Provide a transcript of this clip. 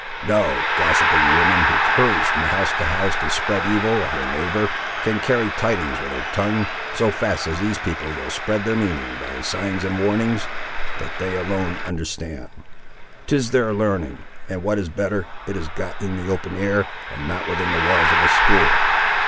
No gossiping woman, who hurries from house to house to spread evil of her neighbour, can carry tidings with her tongue, so fast as these people will spread their meaning, by signs and warnings, that they alone understand. 'Tis their l'arning, and what is better, it is got in the open air, and not within the walls of a school.